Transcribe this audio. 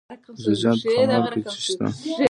د جوزجان په خماب کې څه شی شته؟